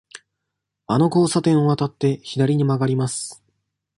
あの交差点を渡って、左に曲がります。